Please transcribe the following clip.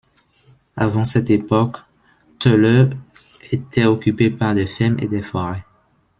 Avant cette époque, Töölö était occupé par des fermes et des forêts.